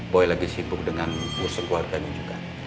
boy lagi sibuk dengan urusan keluarganya juga